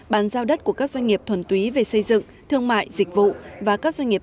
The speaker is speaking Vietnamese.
bàn giao đất của các doanh nghiệp thuần túy về xây dựng thương mại dịch vụ và các doanh nghiệp